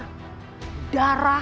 jurus itu membuatmu merah